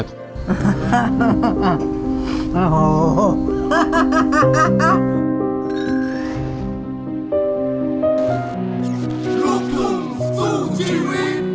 ลูกทุ่งสู้ชีวิต